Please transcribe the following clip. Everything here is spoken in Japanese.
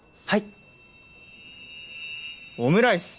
はい。